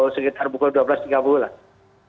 sekitar pukul dua belas tiga puluh lah